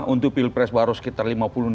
untuk pilpres baru sekitar lima puluh enam